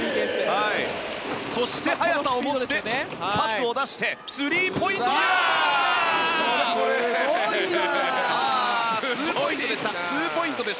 そして速さをもってパスを出してスリーポイントだ！